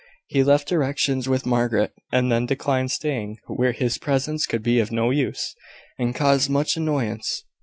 He left directions with Margaret, and then declined staying where his presence could be of no use, and caused much annoyance.